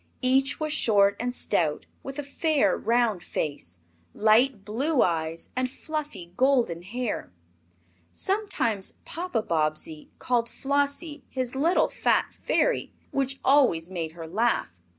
Each was short and stout, with a fair, round face, light blue eyes and fluffy golden hair. Sometimes Papa Bobbsey called Flossie his little Fat Fairy, which always made her laugh.